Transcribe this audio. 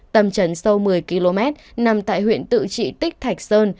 tầm trấn sâu một mươi km nằm tại huyện tự trị tích thạch sơn